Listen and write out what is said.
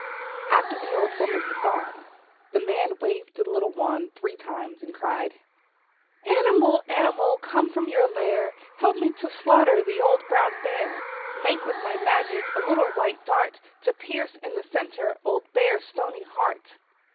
After the old woman had gone, the man waved the little wand three times, and cried: "Animal, animal, come from your lair, Help me to slaughter the old Brown Bear! Make with my magic a little white dart, To pierce in the centre old Bear's Stony Heart!"